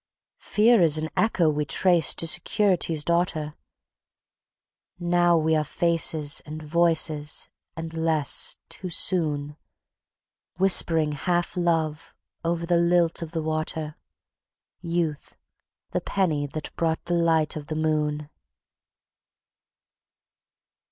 Fear is an echo we traced to Security's daughter; Now we are faces and voices... and less, too soon, Whispering half love over the lilt of the water... Youth the penny that bought delight of the moon."